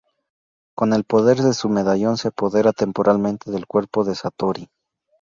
Con el poder de su medallón se apodera temporalmente del cuerpo de Satori.